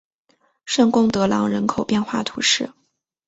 圣贡德朗人口变化图示